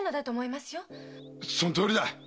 そのとおりだ。